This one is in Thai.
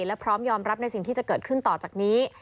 และพร้อมยอมรับในสิ่งที่จะเกิดขึ้นต่อจากนี้